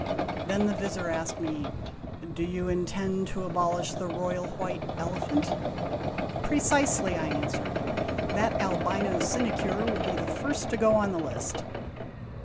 Then the Vizir asked me: "Do you intend to abolish the Royal White Elephant ?"" Precisely," I answered. "That albino sinecure will be the first to go on the list."